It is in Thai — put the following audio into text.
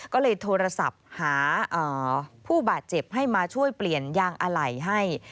ก็เลยโทรศัพท์หาผู้บาดเจ็บให้มาช่วยเปลี่ยนยางอะไหล่ให้